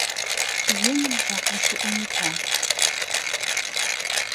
Еҥым жаплыше улметлан